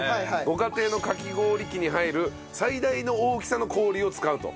ご家庭のかき氷器に入る最大の大きさの氷を使うと。